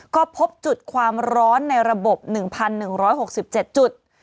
ก็พบจุดความร้อนในระบบ๑๑๖๗จุด